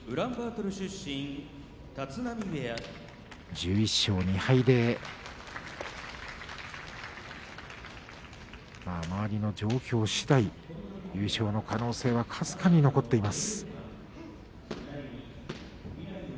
１１勝２敗で周りの状況しだい優勝の可能性はかすかに残っています。